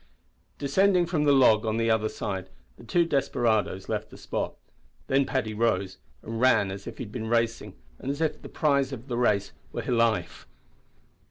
Descending from the log on the other side, the two desperadoes left the spot. Then Paddy rose and ran as if he had been racing, and as if the prize of the race were life!